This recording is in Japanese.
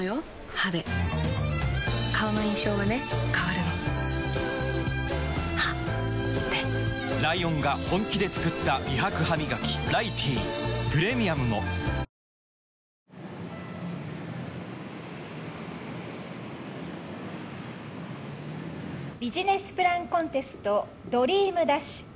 歯で顔の印象はね変わるの歯でライオンが本気で作った美白ハミガキ「ライティー」プレミアムもビジネスプランコンテストドリームＤＡＳＨ！